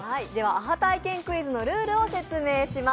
アハ体験クイズのルールを説明します。